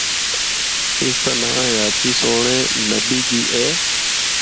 اس دا ںاں ’حیاتی سوہنڑے نبی دی‘ اے۔